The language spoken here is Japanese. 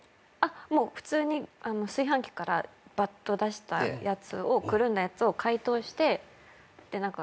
普通に炊飯器からばっと出したやつをくるんだやつを解凍して。